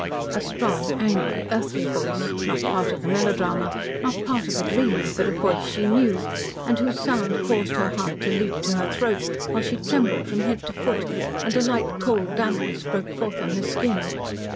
A strong, angry, earthly voice not part of the melodrama not part of a dream, but a voice she knew, and whose sound caused her heart to leap to her throat, while she trembled from head to foot, and a light, cold dampness broke forth on her skin.